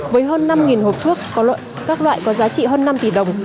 với hơn năm hộp thuốc các loại có giá trị hơn năm tỷ đồng